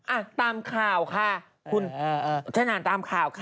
อ่ะตามข่าวค่ะคุณฉันอ่านตามข่าวค่ะ